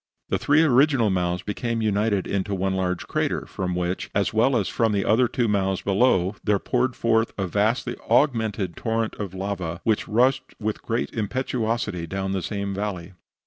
The three original mouths became united into one large crater, from which, as well as from the other two mouths below, there poured forth a vastly augmented torrent of lava, which rushed with great impetuosity down the same valley.